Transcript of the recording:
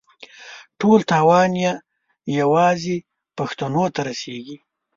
ټول تاوان یې یوازې پښتنو ته رسېږي.